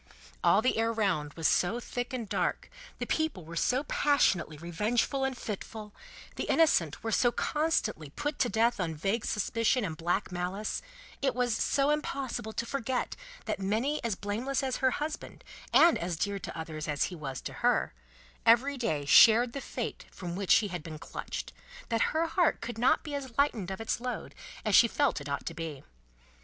All the air round was so thick and dark, the people were so passionately revengeful and fitful, the innocent were so constantly put to death on vague suspicion and black malice, it was so impossible to forget that many as blameless as her husband and as dear to others as he was to her, every day shared the fate from which he had been clutched, that her heart could not be as lightened of its load as she felt it ought to be.